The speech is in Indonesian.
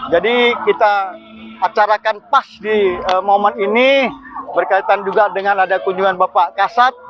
jadi kita acarakan pas di momen ini berkaitan juga dengan ada kunjungan bapak kasat